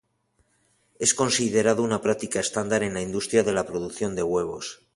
Es considerado una práctica estándar en la industria de la producción de huevos.